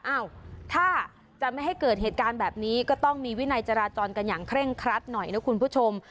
อ้าวถ้าจะไม่ให้เกิดเหตุการณ์แบบนี้ก็ต้องมีวินัยจราจรกันอย่างเคร่งครัดหน่อยนะคุณผู้ชม